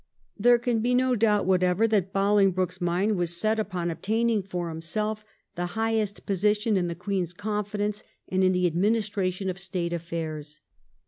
There can be no doubt whatever that Bolingbroke's mind was set upon obtaining for himself the highest position in the Queen's confidence and in the admin istration of State affairs.